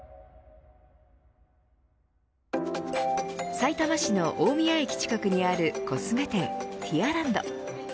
さいたま市の大宮駅近くにあるコスメ店ティアランド。